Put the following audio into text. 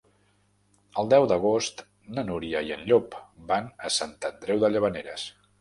El deu d'agost na Núria i en Llop van a Sant Andreu de Llavaneres.